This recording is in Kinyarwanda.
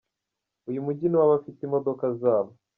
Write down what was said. Uyu Mujyi ni uw’abafite imodoka zabo”.